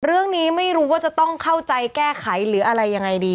เรื่องนี้ไม่รู้ว่าจะต้องเข้าใจแก้ไขหรืออะไรยังไงดี